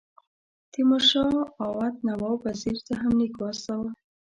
تیمور شاه اَوَد نواب وزیر ته هم لیک واستاوه.